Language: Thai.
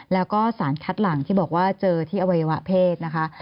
แล้วก็สารคัดหลังที่บอกว่าเจอที่อวัยวะเพศนะคะ